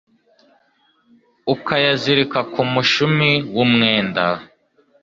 ukayazirika ku mushumi w'umwenda